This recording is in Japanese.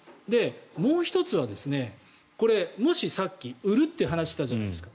もう１つは、さっき売るという話があったじゃないですか。